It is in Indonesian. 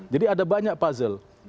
jadi ada banyak puzzle